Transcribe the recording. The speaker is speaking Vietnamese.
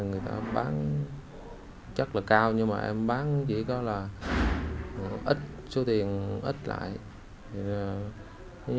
người ta bán chắc là cao nhưng mà em bán chỉ có là ít số tiền ít lại thì ai ấy thì có nhu cầu mua thì